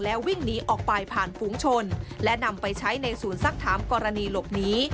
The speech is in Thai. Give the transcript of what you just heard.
วิ่งหนีออกไปผ่านฝูงชนและนำไปใช้ในศูนย์สักถามกรณีหลบหนี